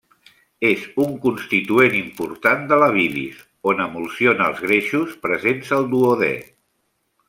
És un constituent important de la bilis, on emulsiona els greixos presents al duodè.